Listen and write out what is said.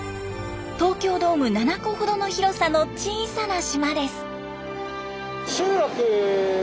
東京ドーム７個ほどの広さの小さな島です。